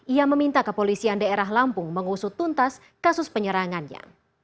ia meminta kepolisian daerah lampung mengusut tuntas kasus penyerangannya